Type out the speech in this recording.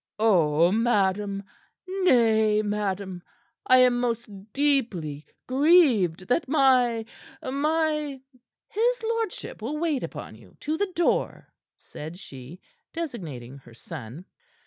"Oh, madam nay, madam! I am most deeply grieved that my my " "His lordship will wait upon you to the door," said she, designating her son.